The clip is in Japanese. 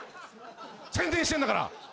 宣伝してんだから。